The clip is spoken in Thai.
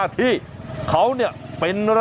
จัดกระบวนพร้อมกัน